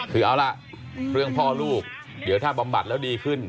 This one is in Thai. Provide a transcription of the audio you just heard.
คือเอาล่ะเรื่องพ่อลูกเดี๋ยวถ้าบำบัดแล้วดีขึ้น